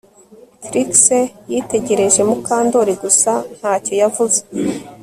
Trix yitegereje Mukandoli gusa ntacyo yavuze